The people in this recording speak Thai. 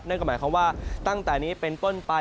นั่นก็หมายความว่าตั้งแต่นี้เป็นต้นไป